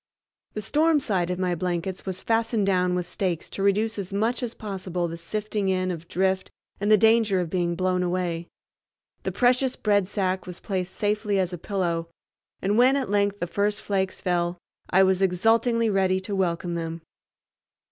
The storm side of my blankets was fastened down with stakes to reduce as much as possible the sifting in of drift and the danger of being blown away. The precious bread sack was placed safely as a pillow, and when at length the first flakes fell I was exultingly ready to welcome them.